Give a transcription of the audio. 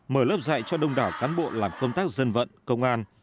mở lớp dạy cho đông đảo cán bộ làm công tác dân vận công an